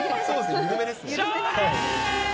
緩めですね。